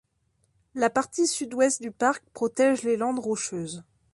La partie sud-ouest du parc protège des landes rocheuses.